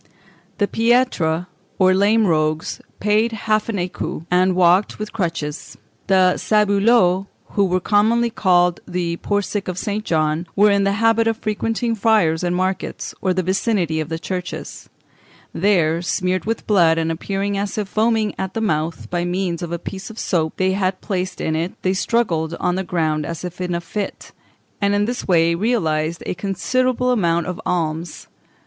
The piètres, or lame rogues, paid half an écu, and walked with crutches. The sabouleux, who were commonly called the poor sick of St. John, were in the habit of frequenting fairs and markets, or the vicinity of churches; there, smeared with blood and appearing as if foaming at the mouth by means of a piece of soap they had placed in it, they struggled on the ground as if in a fit, and in this way realised a considerable amount of alms.